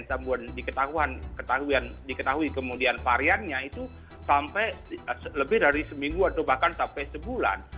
kemudian diketahui kemudian variannya itu sampai lebih dari seminggu atau bahkan sampai sebulan